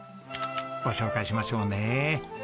ご紹介しましょうね。